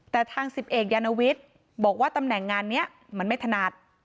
แต่ทาง๑๐เอกยานวิทย์บอกว่าตำแหน่งงานนี้มันไม่ถนัด